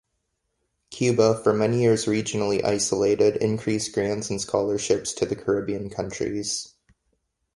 Cuba, for many years regionally isolated, increased grants and scholarships to the Caribbean countries.